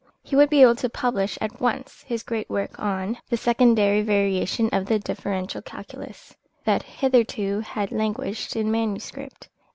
He would be able to publish at once his great work on "The Secondary Variation of the Differential Calculus," that hitherto had languished in manuscript.